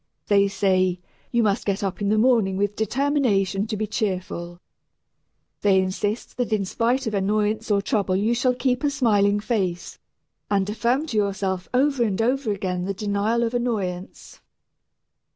They say, "You must get up in the morning with determination to be cheerful." They insist that in spite of annoyance or trouble you shall keep a smiling face, and affirm to yourself over and over again the denial of annoyance.